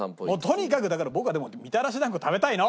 とにかくだから僕はでもみたらし団子が食べたいの！